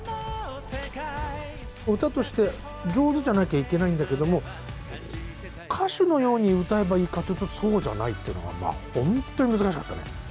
歌として上手じゃなきゃいけないんだけども、歌手のように歌えばいいかっていうと、そうじゃないっていうのが、本当に難しかったね。